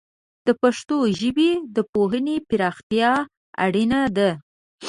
د پښتو ژبې د پوهنې پراختیا اړینه ده.